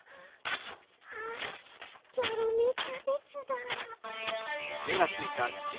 あっギョロメキャベツだ。